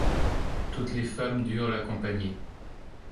Toutes les femmes durent l'accompagner.